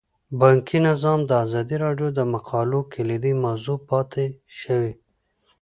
بانکي نظام د ازادي راډیو د مقالو کلیدي موضوع پاتې شوی.